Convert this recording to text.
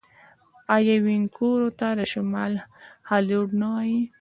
آیا وینکوور ته د شمال هالیوډ نه وايي؟